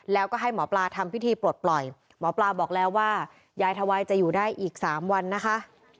แล้วก็ให้หมอปลาทำพิธีปลดปล่อยหมอปลาบอกแล้วว่ายายทวายจะอยู่ได้อีก๓วันนะคะ